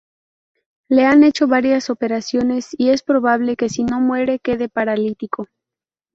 Le han hecho varias operaciones y es probable que si no muere, quede paralítico.